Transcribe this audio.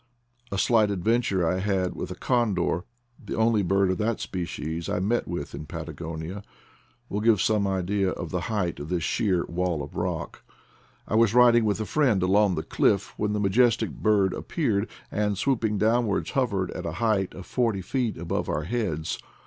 A slight adventure I had with a condor, the only bird of that species I met with in Patagonia, will give some idea of the height of this sheer wall of rock. I was riding 54 IDLE DAYS IN PATAGONIA! with a friend along the cliff when the majestic bird appeared, and swooping downwards hovered at a height of forty feet above onr heads.